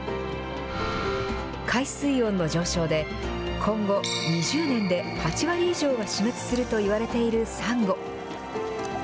海水温の上昇で、今後２０年で８割以上が死滅するといわれているサンゴ。